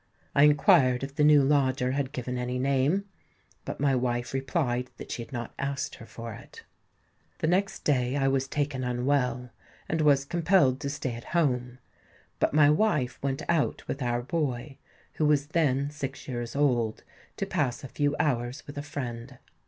I inquired if the new lodger had given any name; but my wife replied that she had not asked her for it. The next day I was taken unwell, and was compelled to stay at home; but my wife went out with our boy, who was then six years old, to pass a few hours with a friend.